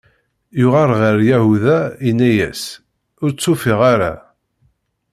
Yuɣal ɣer Yahuda, inna-yas: Ur tt-ufiɣ ara.